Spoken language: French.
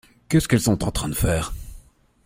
Qu’est-ce qu’elles sont en train de faire ?